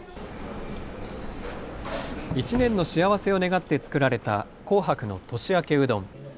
１年の幸せを願って作られた紅白の年明けうどん。